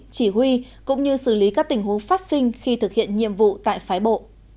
chỉ huy cũng như xử lý các tình huống phát sinh khi thực hiện nhiệm vụ tại phái bộ